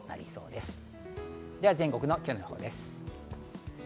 では全国の今日の予報です。